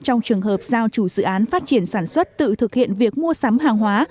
trong trường hợp giao chủ dự án phát triển sản xuất tự thực hiện việc mua sắm hàng hóa